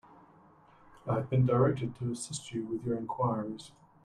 I have been directed to assist you with your enquiries.